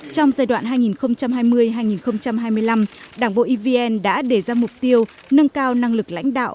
trong giai đoạn hai nghìn hai mươi hai nghìn hai mươi năm đảng bộ evn đã đề ra mục tiêu nâng cao năng lực lãnh đạo